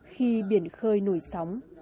khi biển khơi nổi sóng